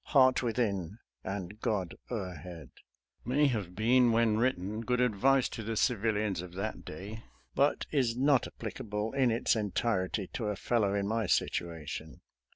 Heart within and God o'erhead !" may have been, when written, good advice to the civilians of that day, but is not applicable in its entirety to a fellow in my situation.